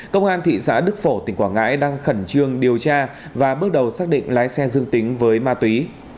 công an thị xã đức phổ tỉnh quảng ngãi đang khẩn trương điều tra và bước đầu xác định lái xe dương tính với ma túy